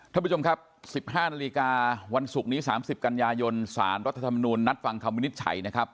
ท่านผู้ชมครับ๑๕นาฬิกาวันศุกร์นี้๓๐กันยายนสารรัฐธรรมนูญนัดฟังคำวินิจฉัยนะครับ